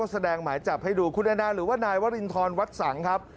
แสดงหมายจับให้ดูคุณแอนนาหรือว่านายวรินทรวัดสังครับ